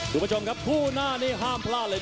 คุณผู้ชมครับคู่หน้านี้ห้ามพลาดเลย